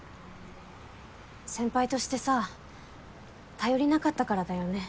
先輩としてさ頼りなかったからだよね。